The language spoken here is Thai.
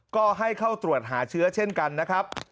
ก็ให้เข้าตรวจหาเชื้อเช่นกันนะครับ